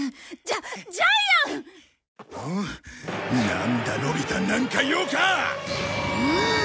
なんだのび太なんか用か？